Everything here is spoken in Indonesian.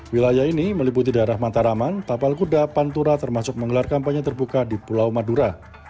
wilayah ini meliputi daerah mataraman tapal kuda pantura termasuk menggelar kampanye terbuka di pulau madura